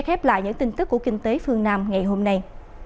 cũng sẽ khép lại những tin tức của kinh tế phương nam ngày hôm nay